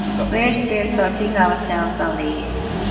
We're still sorting ourselves out here.